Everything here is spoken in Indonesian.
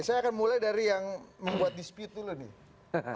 saya akan mulai dari yang membuat dispute dulu nih